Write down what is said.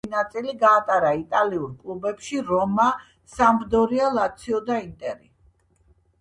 კარიერის დიდი ნაწილი გაატარა იტალიურ კლუბებში, რომა, სამპდორია, ლაციო და ინტერი.